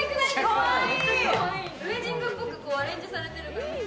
ウエディングっぽくアレンジされてる。